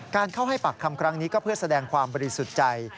เข้าให้ปากคำครั้งนี้ก็เพื่อแสดงความบริสุทธิ์ใจ